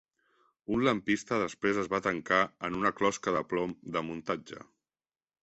Un lampista després es va tancar en una closca de plom de muntatge.